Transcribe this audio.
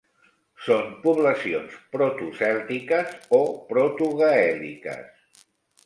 Són poblacions protocèltiques o protogaèl·liques.